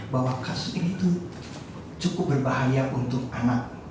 bahwa kasus itu cukup berbahaya untuk anak